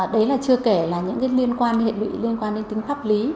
đấy là chưa kể là những cái liên quan hệ lụy liên quan đến tính pháp lý